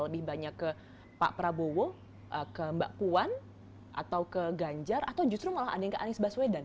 lebih banyak ke pak prabowo ke mbak puan atau ke ganjar atau justru malah ada yang ke anies baswedan